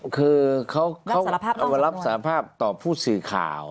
คือเขารับสารภาพต่อผู้สื่อข่าว